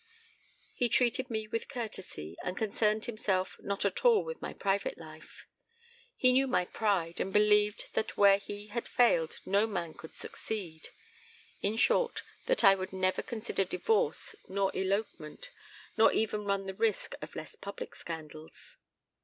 He treated me with courtesy, and concerned himself not at all with my private life. He knew my pride, and believed that where he had failed no man could succeed; in short, that I would never consider divorce nor elopement, nor even run the risk of less public scandals.